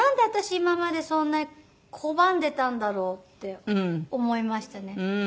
今までそんなに拒んでたんだろうって思いましたね。